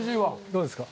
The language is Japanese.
どうですか。